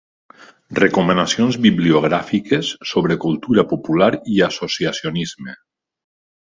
Recomanacions bibliogràfiques sobre cultura popular i associacionisme.